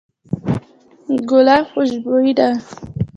ګلاب خوشبوی دی.